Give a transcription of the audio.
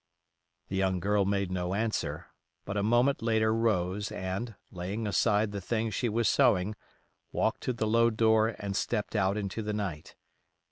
The young girl made no answer, but a moment later rose and, laying aside the thing she was sewing, walked to the low door and stepped out into the night.